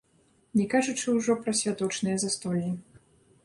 Не кажучы ўжо пра святочныя застоллі.